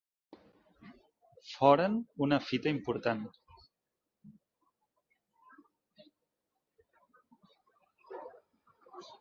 Foren una fita important.